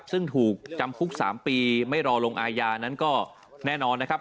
ซึ่งถูกจำคุก๓ปีไม่รอลงอาญานั้นก็แน่นอนนะครับ